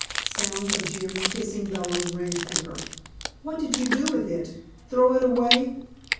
Sounds of Jim kissing Bella's ring finger. "What did you do with it? Throw it away?"